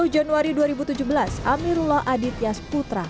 sepuluh januari dua ribu tujuh belas amirullah adityas putra